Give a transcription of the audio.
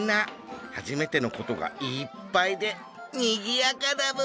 初めてのことがいっぱいでにぎやかだブー。